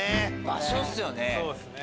場所っすよね！